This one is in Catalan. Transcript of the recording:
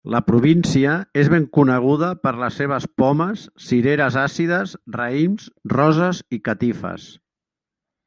La província és ben coneguda per les seves pomes, cireres àcides, raïms, roses i catifes.